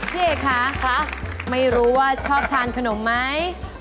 พี่เอกคะคะไม่รู้ว่าชอบทานขนมไหม